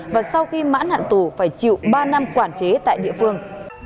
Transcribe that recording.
và sau khi mãn hạn tù phải chịu ba năm quản chế tại địa phương